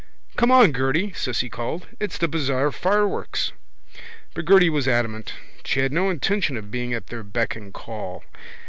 —Come on, Gerty, Cissy called. It's the bazaar fireworks. But Gerty was adamant. She had no intention of being at their beck and call.